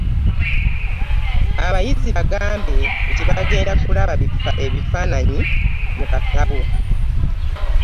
Abayizi bagambe nti bagenda kulaba ebifaananyi mu katabo